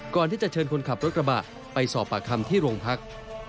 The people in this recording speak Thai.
ก่อนที่จะเชิญคนขับรถกระบะไปสอบปากคำที่โรงพัก